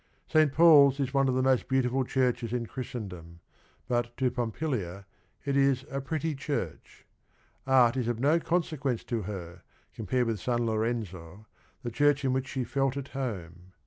St. Paul's is one of the most beautiful churches in Christendom, but to Pompilia it is a "pretty church." Art is of no consequence to her com pared with San Lorenzo, the church in which she felt at home.